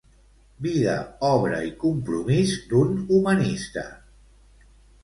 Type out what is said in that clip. Vida, obra i compromís d'un humanista'.